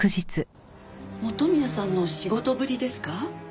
元宮さんの仕事ぶりですか？